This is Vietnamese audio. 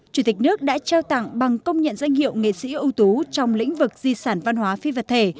chủ tịch nước đã trao tặng bằng công nhận danh hiệu nghệ sĩ ưu tú trong lĩnh vực di sản văn hóa phi vật thể